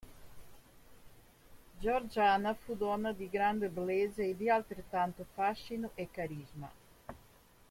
Georgiana fu donna di grande bellezza e di altrettanto fascino e carisma.